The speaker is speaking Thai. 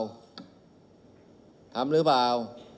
ไม่ทำฤปัว